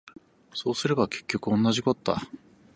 そうすれば結局おんなじこった